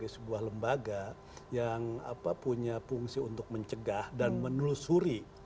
sebuah lembaga yang punya fungsi untuk mencegah dan menelusuri